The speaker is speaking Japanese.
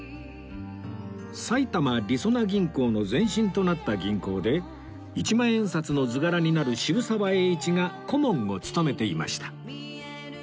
埼玉りそな銀行の前身となった銀行で１万円札の図柄になる渋沢栄一が顧問を務めていました